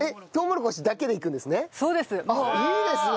いいですね！